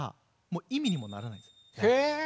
もう意味にもならないですね。